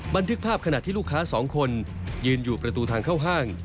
บันทึกภาพขณะที่ลูกค้าสองคนยืนอยู่ประตูทางเข้าห้าง